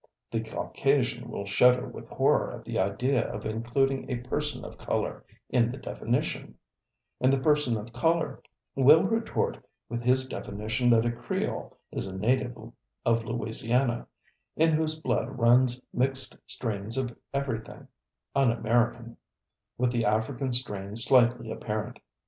The Caucasian will shudder with horror at the idea of including a person of color in the definition, and the person of color will retort with his definition that a Creole is a native of Louisiana, in whose blood runs mixed strains of everything un American, with the African strain slightly apparent.